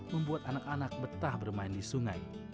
membuat anak anak betah bermain di sungai